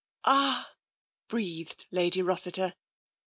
*' Ah !" breathed Lady Rossiter.